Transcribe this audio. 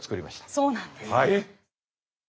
そうなんです。